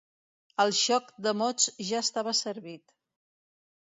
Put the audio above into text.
El xoc de mots ja estava servit.